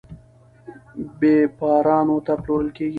بېپارانو ته پلورل کیږي.